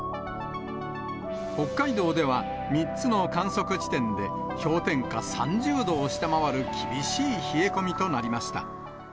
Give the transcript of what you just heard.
北海道では３つの観測地点で、氷点下３０度を下回る厳しい冷え込みとなりました。